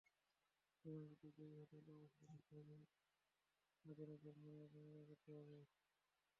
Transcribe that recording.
জীবনযুদ্ধে জয়ী হতে হলে অবশ্যই সঠিকভাবে আধুনিক মানের জ্ঞান অর্জন করতে হবে।